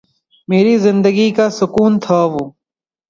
میری زندگی کا سکون تھا وہ